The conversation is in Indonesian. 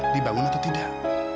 dibangun atau tidak